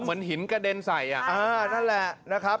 เหมือนหินกระเด็นใส่นั่นแหละนะครับ